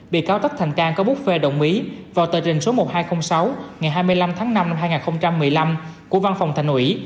bị cáo tất thành cang có bút phê đồng ý vào tờ trình số một nghìn hai trăm linh sáu ngày hai mươi năm tháng năm năm hai nghìn một mươi năm của văn phòng thành ủy